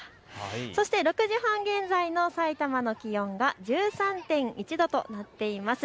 そして６時半現在のさいたまの気温が１３．１度となっています。